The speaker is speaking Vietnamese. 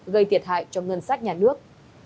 gây thiệt hại cho ngân sách nhà nước